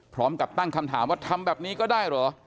พร้อมกับตั้งคำถามว่าทำแบบนี้ก็ได้เหรอ